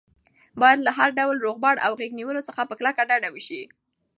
باید له هر ډول روغبړ او غېږ نیولو څخه په کلکه ډډه وشي.